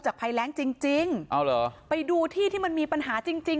จากพลัยแรงค์จริงเอ้าเหรอไปดูที่ที่มันมีปัญหาจริง